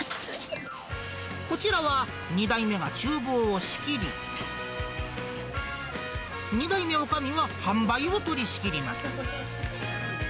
こちらは、２代目がちゅう房を仕切り、２代目女将が販売を取り仕切ります。